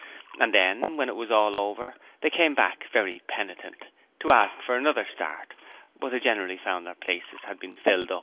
And then, when it was all over, they came back, very penitent, to ask for another 'start', but they generally found that their places had been filled.